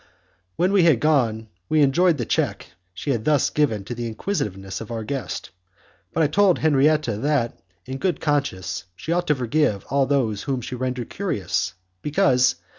When he had gone we enjoyed the check she had thus given to the inquisitiveness of our guest, but I told Henriette that, in good conscience, she ought to forgive all those whom she rendered curious, because....